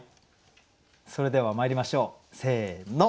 それではまいりましょうせの。